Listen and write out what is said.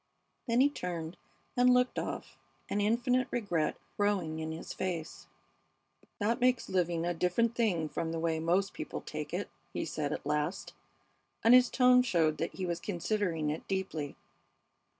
Then he turned and looked off, an infinite regret growing in his face. "That makes living a different thing from the way most people take it," he said, at last, and his tone showed that he was considering it deeply.